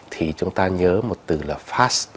thì chúng ta nhớ một từ là fast